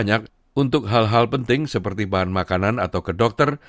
banyak untuk hal hal penting seperti bahan makanan atau ke dokter